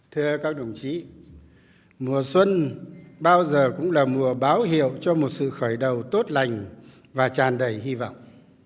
thưa các đồng chí mùa xuân bao giờ cũng là mùa báo hiệu cho một sự khởi đầu tốt lành và tràn đầy hy vọng